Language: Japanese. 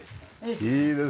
いいですね。